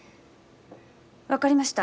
分かりました。